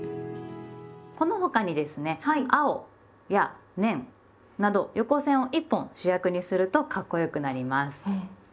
この他にですね「青」や「年」など横線を１本主役にするとかっこよくなります。